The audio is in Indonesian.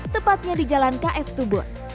tepatnya di jalan ks tubun